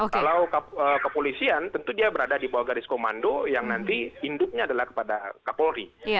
kalau kepolisian tentu dia berada di bawah garis komando yang nanti induknya adalah kepada kapolri